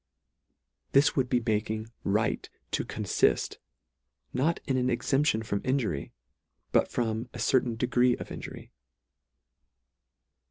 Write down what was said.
This would be making right to coniift, not in an exemption from injury, but from a certain degree of injury.